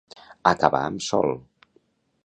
Acabar amb sol.